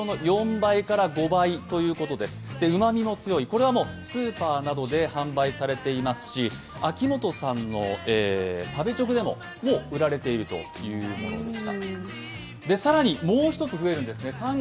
このトマトはスーパーなどで販売されていますし、秋元さんの食べチョクでも売られているということです。